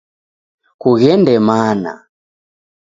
Kughende mana!